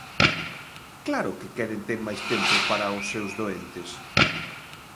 ¡Claro que queren ter máis tempo para os seus doentes!